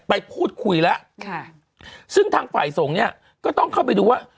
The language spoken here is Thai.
ไปพูดคุยแล้วค่ะซึ่งทางฝ่ายสงฆ์เนี่ยก็ต้องเข้าไปดูว่า